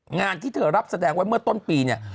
งานที่เธอรับแสดงไว้เมื่อต้นปีเนี่ย